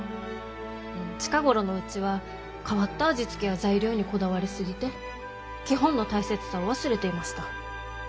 近頃のうちは変わった味付けや材料にこだわり過ぎて基本の大切さを忘れていました。